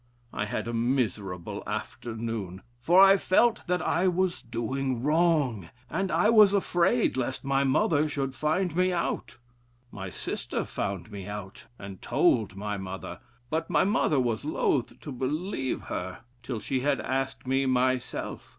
I had a miserable afternoon; for I felt that I was doing wrong, and I was afraid lest my mother should find me out. My sister found me out and told my mother, but my mother was loth to believe her till she had asked me myself.